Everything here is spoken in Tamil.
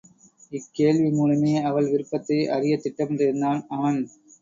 இக் கேள்வி மூலமே அவள் விருப்பத்தை அறியத் திட்டமிட்டிருந்தான் அவன்.